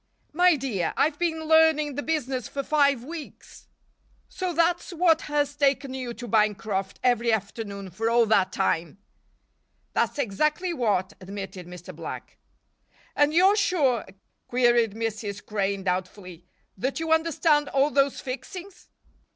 "My dear, I've been learning the business for five weeks." "So that's what has taken you to Bancroft every afternoon for all that time?" "That's exactly what," admitted Mr. Black. "And you're sure," queried Mrs. Crane, doubtfully, "that you understand all those fixings?"